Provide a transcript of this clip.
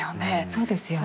そうですよね。